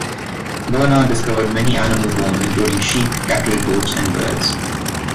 Bernard discovered many animal bones including sheep, cattle, goats and birds.